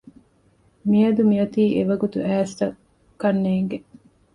މިއަދު މިއޮތީ އެވަގުތު އައިއްސަ ކަންނޭނގެ